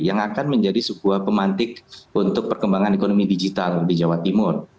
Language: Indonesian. yang akan menjadi sebuah pemantik untuk perkembangan ekonomi digital di jawa timur